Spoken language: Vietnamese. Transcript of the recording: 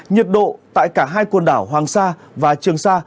nhiệt độ tại cả hai quần đảo hoàng sa và trường sa